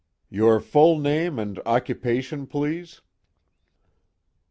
"Your full name and occupation, please?"